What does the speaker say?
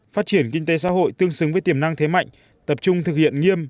phát triển kinh tế xã hội tương xứng với tiềm năng thế mạnh tập trung thực hiện nghiêm